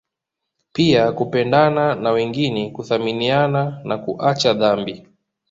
Pia kupendana na wengine kuthaminiana na kuacha dhambi